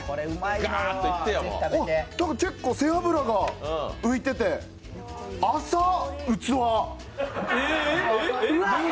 背脂が浮いてて浅っ、器！